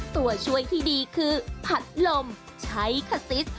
ตัวช่วยที่ดีคือผัดลมใช้คาซิส